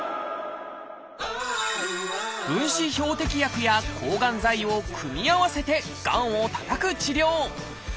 分子標的薬や抗がん剤を組み合わせてがんをたたく治療。